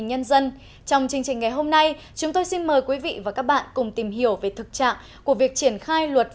nhưng trước tiên như thường lệ mời quý vị và các bạn hãy cùng đến với chân mục tin tức